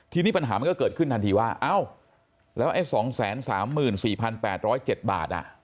ทีนี้ปัญหามันก็เกิดขึ้นทันทีว่าเอ้าแล้วไอ้สองแสนสามหมื่นสี่พันแปดร้อยเจ็ดบาทอ่ะ